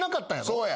そうや。